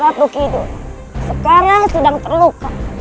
ratu kidul sekarang sedang terluka